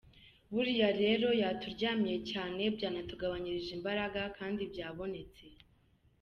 Buriya rero yaturyamiye cyane byanatugabanyirije imbaraga kandi byabonetse”.